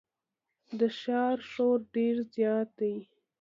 د ښار شور ډېر زیات دی.